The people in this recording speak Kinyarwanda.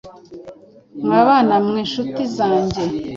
Mwa bana mwe nshuti zange